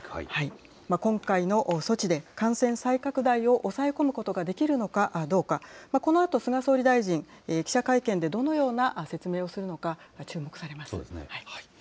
今回の措置で、感染再拡大を抑え込むことができるのかどうか、このあと、菅総理大臣、記者会見でどのような説明をするのか、注目されます。